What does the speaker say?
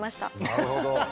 なるほど。